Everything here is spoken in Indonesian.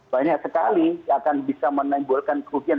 banyak sekali yang akan bisa menimbulkan kerugian